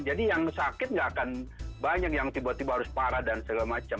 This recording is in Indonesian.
jadi yang sakit nggak akan banyak yang tiba tiba harus parah dan segala macam